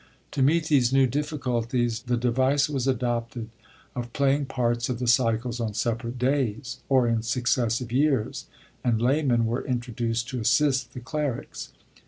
To meet these new difficulties the device was adopted of playing parts of the cycles on separate days, or in successive years, and laymen were introduced to assist the clerics.